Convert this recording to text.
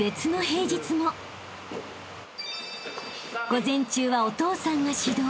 ［午前中はお父さんが指導］